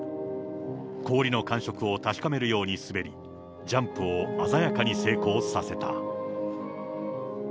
氷の感触を確かめるように滑り、ジャンプを鮮やかに成功させた。